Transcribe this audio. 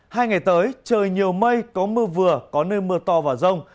hai ngày tới trời nhiều mây có mưa vừa có nơi mưa to và rông